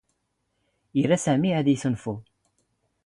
ⵉⵔⴰ ⵙⴰⵎⵉ ⴰⴷ ⵉⵙⵓⵏⴼⵓ.